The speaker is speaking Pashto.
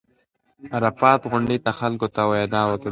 عرفات غونډۍ ته خلکو ته وینا وکړه.